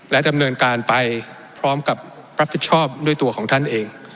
ดำเนินการไปพร้อมกับรับผิดชอบด้วยตัวของท่านเอง